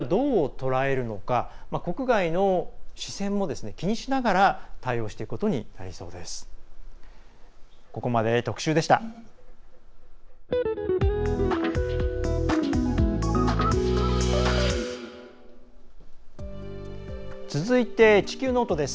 各候補者はこうした問題をどう捉えるのか国外の視線も気にしながら対応していくことになりそうです。